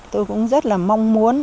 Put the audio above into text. tôi cũng rất là mong muốn